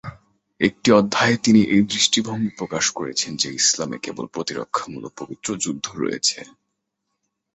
একটি অধ্যায়ে তিনি এই দৃষ্টিভঙ্গি প্রকাশ করেছেন যে ইসলামে কেবল প্রতিরক্ষামূলক পবিত্র যুদ্ধ রয়েছে।